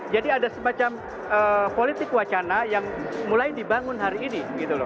jadi ada semacam politik wacana yang mulai dibangun hari ini